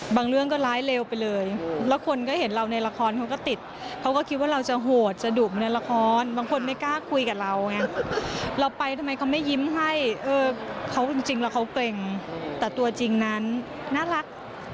เรื่องก็ร้ายเร็วไปเลยแล้วคนก็เห็นเราในละครเขาก็ติดเขาก็คิดว่าเราจะโหดจะดุเหมือนในละครบางคนไม่กล้าคุยกับเราไงเราไปทำไมเขาไม่ยิ้มให้เออเขาจริงแล้วเขาเกร็งแต่ตัวจริงนั้นน่ารัก